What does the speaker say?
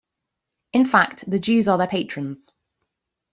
In fact, the Jews are their patrons.